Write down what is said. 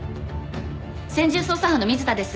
専従捜査班の水田です。